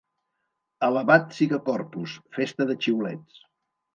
Alabat siga Corpus, festa de xiulets!